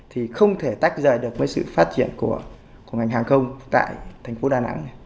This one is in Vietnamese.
thì không thể tách rời được với sự phát triển của ngành hàng không tại thành phố đà nẵng